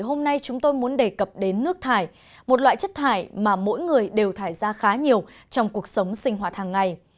hôm nay chúng tôi muốn đề cập đến nước thải một loại chất thải mà mỗi người đều thải ra khá nhiều trong cuộc sống sinh hoạt hàng ngày